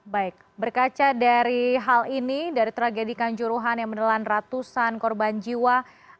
baik berkaca dari hal ini dari tragedi kanjuruhan yang menelan ratusan korban jiwa